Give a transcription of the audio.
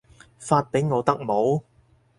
發畀我得冇